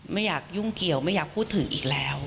ไม่อยากยุ่งเกี่ยวไม่อยากพูดถึงอีกแล้ว